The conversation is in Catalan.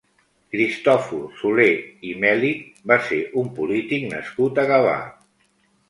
Cristòfor Solé i Mèlich va ser un polític nascut a Gavà.